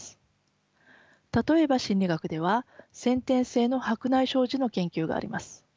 例えば心理学では先天性の白内障児の研究があります。